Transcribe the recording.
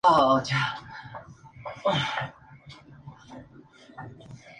El río se presenta con diferentes curvas, seguido por carreteras navarras y pueblos.